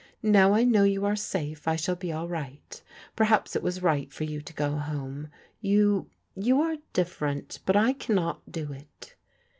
" Now I know you are safe, I shall be all right. Perhaps it was right for you to go home — ^you — ^you are different, but I can not do it."